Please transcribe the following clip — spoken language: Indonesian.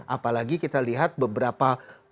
apalagi kita lihat beberapa